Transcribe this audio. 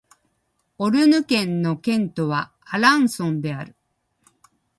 オルヌ県の県都はアランソンである